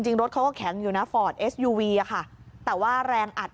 รถเขาก็แข็งอยู่นะฟอร์ดเอสยูวีอะค่ะแต่ว่าแรงอัด